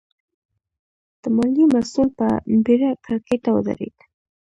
د ماليې مسوول په بېړه کړکۍ ته ودرېد.